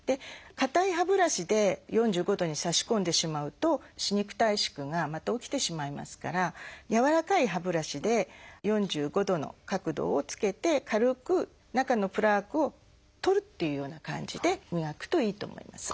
かたい歯ブラシで４５度に差し込んでしまうと歯肉退縮がまた起きてしまいますからやわらかい歯ブラシで４５度の角度をつけて軽く中のプラークを取るっていうような感じで磨くといいと思います。